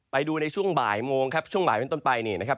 ไปดูในช่วงบ่ายโมงครับช่วงบ่ายเป็นต้นไปนี่นะครับ